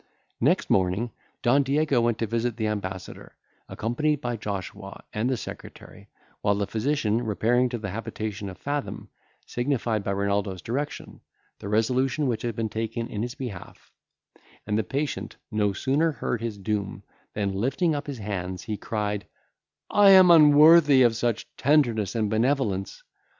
Next morning Don Diego went to visit the ambassador, accompanied by Joshua and the secretary; while the physician, repairing to the habitation of Fathom, signified, by Renaldo's direction, the resolution which had been taken in his behalf; and the patient no sooner heard his doom, than, lifting up his hands, he cried, "I am unworthy of such tenderness and benevolence."